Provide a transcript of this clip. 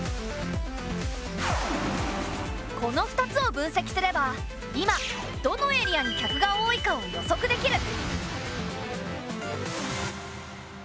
この２つを分析すれば今どのエリアに客が多いかを予測できる。